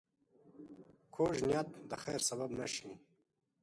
کوږ نیت د خیر سبب نه شي